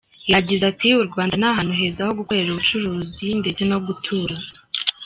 Yagize ati “U Rwanda ni ahantu heza ho gukorera ubucuruzi ndetse no gutura.